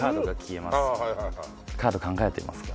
カード考えていますか？